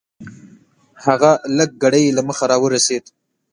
هغه لږ ګړی له مخه راورسېد .